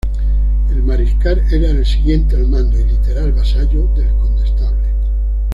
El mariscal era el siguiente al mando y literal vasallo del condestable.